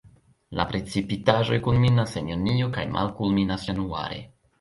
La precipitaĵoj kulminas en junio kaj malkulminas januare.